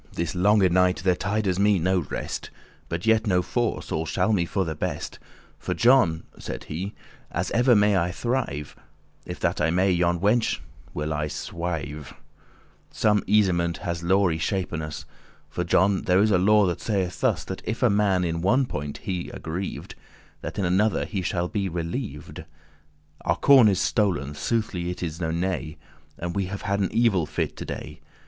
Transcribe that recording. This longe night there *tides me* no rest. *comes to me* But yet no force*, all shall be for the best. *matter For, John," said he, "as ever may I thrive, If that I may, yon wenche will I swive*. *enjoy carnally Some easement* has law y shapen us *satisfaction provided For, John, there is a law that sayeth thus, That if a man in one point be aggriev'd, That in another he shall be relievd. Our corn is stol'n, soothly it is no nay, And we have had an evil fit to day.